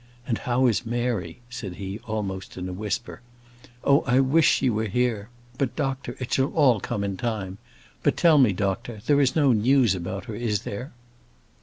"And how is Mary?" said he, almost in a whisper. "Oh, I wish she were here! But, doctor, it shall all come in time. But tell me, doctor, there is no news about her, is there?"